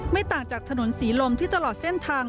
ต่างจากถนนศรีลมที่ตลอดเส้นทาง